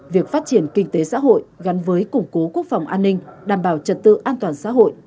việc phát triển kinh tế xã hội gắn với củng cố quốc phòng an ninh đảm bảo trật tự an toàn xã hội